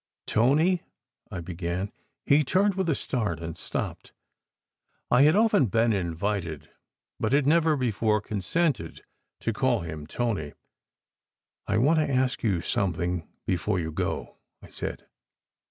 " Tony !" I began. He turned with a start, and stopped. I had often been invited, but had never before consented, to call him Tony. "I want to ask you something before you go," I said.